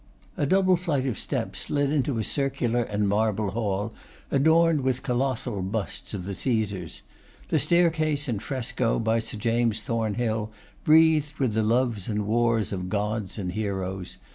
A double flight of steps led into a circular and marble hall, adorned with colossal busts of the Caesars; the staircase in fresco by Sir James Thornhill, breathed with the loves and wars of gods and heroes.